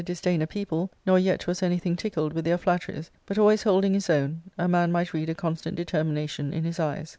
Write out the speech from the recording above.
disdain a people, nor yet was anything tickled with their flat teries, but, always holding his own, a man might read a constant determination in his eyes.